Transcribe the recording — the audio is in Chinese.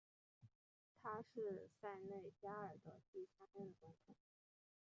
他是塞内加尔的第三任总统。